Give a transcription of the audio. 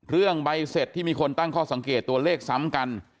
ใบเสร็จที่มีคนตั้งข้อสังเกตตัวเลขซ้ำกัน